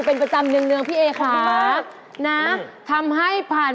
ต้องถูกกว่า๓๕บาท